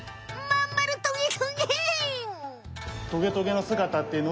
まんまるトゲトゲ！